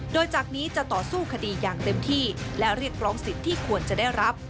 โดยจากนี้จะต่อสู้คดีอย่างเต็มที่และเรียกร้องสิทธิ์ที่ควรจะได้รับ